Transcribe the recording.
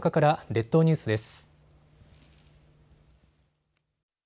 列島ニュースです。